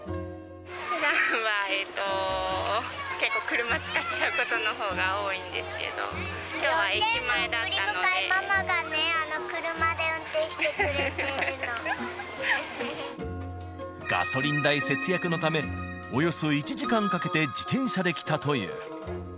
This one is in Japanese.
ふだんは結構車使っちゃうことのほうが多いんですけど、ママが車で運転してくれてるガソリン代節約のため、およそ１時間かけて自転車で来たという。